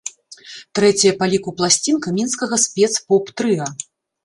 Трэцяя па ліку пласцінка мінскага спец-поп-трыа.